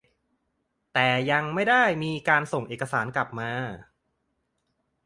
แต่ยังไม่ได้มีการส่งเอกสารกลับมา